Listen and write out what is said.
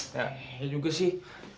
ya juga sih